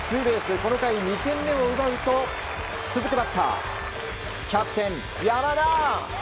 この回、２点目を奪うと続くバッターキャプテン山田！